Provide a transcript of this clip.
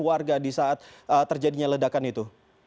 warga di saat terjadinya ledakan itu